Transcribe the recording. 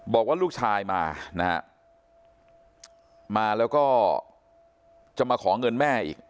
บอกว่าลูกชายมานะฮะมาแล้วก็จะมาขอเงินแม่อีก